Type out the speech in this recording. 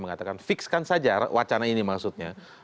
mengatakan fixkan saja wacana ini maksudnya